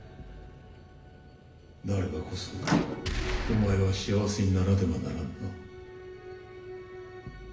なればこそお前は幸せにならねばならぬな。